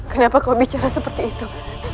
kenapa kau bicara seperti itu